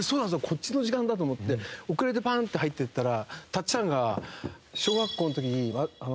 こっちの時間だと思って遅れてパーンって入っていったらたっちゃんが。